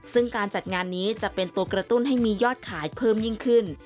ซึ่งการจัดงานนี้จะเป็นตัวกระตุ้นให้มียอดขายเพิ่มยิ่งขึ้น